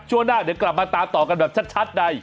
ช่วงหน้าเดี๋ยวกลับมาตามต่อกันแบบชัดใน